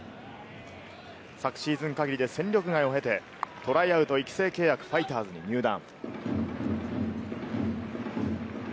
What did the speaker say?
昨シーズン限りで戦力外を経てトライアウト、育成契約、ファイターズに入団。